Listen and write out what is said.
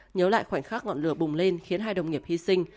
nhớ lại khoảnh khắc ngọn lửa bùng lên khiến hai đồng nghiệp hy sinh